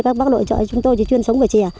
các bác lội trợ chúng tôi chỉ chuyên sống với chè